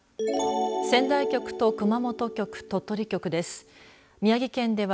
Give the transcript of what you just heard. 仙台局と熊本局、鳥取局です。